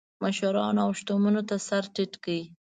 مشرانو او شتمنو ته سر ټیټ کړي.